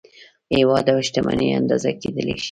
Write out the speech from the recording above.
عواید او شتمني اندازه کیدلی شي.